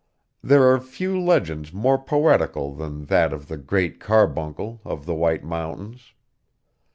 There are few legends more poetical than that of the' Great Carbuncle' of the White Mountains.